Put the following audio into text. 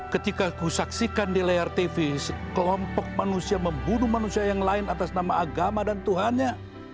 ketika aku saksikan di layar tv sekelompok manusia membunuh manusia yang lain atas nama agama dan tuhannya